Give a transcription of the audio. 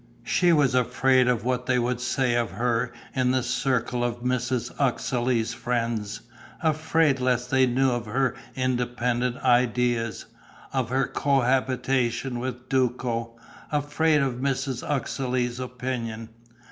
She was afraid of what they would say of her in the circle of Mrs. Uxeley's friends, afraid lest they knew of her independent ideas, of her cohabitation with Duco, afraid of Mrs. Uxeley's opinion.